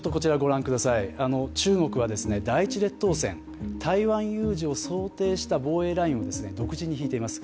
中国は第１列島線、台湾有事を想定した防衛ラインを独自に引いています。